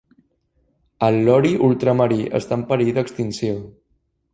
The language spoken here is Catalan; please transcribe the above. El lori ultramarí està en perill d'extinció.